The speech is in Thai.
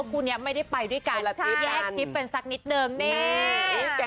คู่นี้ไม่ได้ไปด้วยกันแยกคลิปกันสักนิดนึงนี่